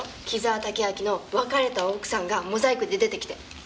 紀沢武明の別れた奥さんがモザイクで出てきて。